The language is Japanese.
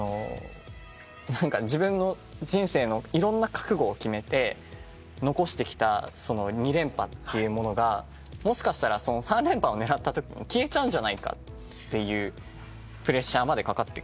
自分の人生のいろんな覚悟を決めて残してきた２連覇というものがもしかしたら３連覇を狙ったときに消えちゃうんじゃないかっていうプレッシャーまでかかってくる。